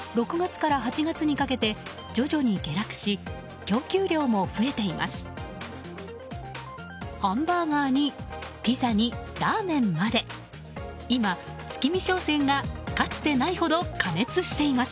６月から８月にかけて徐々に下落し供給量も増えています。